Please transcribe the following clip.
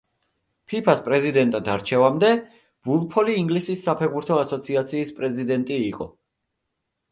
ფიფა-ს პრეზიდენტად არჩევამდე, ვულფოლი ინგლისის საფეხბურთო ასოციაციის პრეზიდენტი იყო.